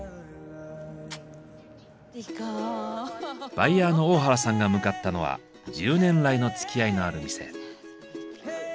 バイヤーの大原さんが向かったのは１０年来のつきあいのある店。